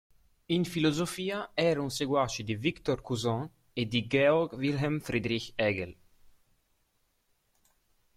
In filosofia era un seguace di Victor Cousin, e di G. W. F. Hegel.